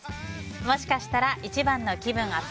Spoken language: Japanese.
もしかしたら一番の気分アップ